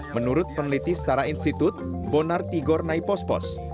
menurut peneliti setara institut bonar tigor naipospos